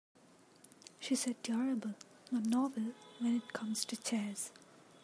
She said durable not novel when it comes to chairs.